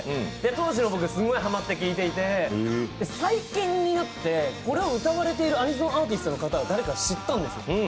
当時、僕すごいはまって聴いていて、最近になって、これを歌われているアニソンアーティストの方が誰かを知ったんです。